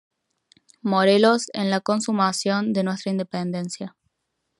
Morelos, en la consumación de nuestra Independencia.